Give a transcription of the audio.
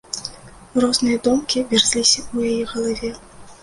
Розныя думкі вярзліся ў яе галаве.